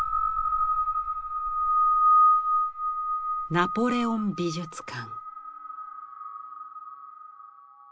「ナポレオン美術館」。